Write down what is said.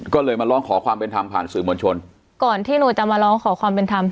ก็เลยมาร้องขอความเป็นธรรมผ่านสื่อมวลชนก่อนที่หนูจะมาร้องขอความเป็นธรรม